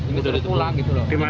ini udah ditembulang gitu loh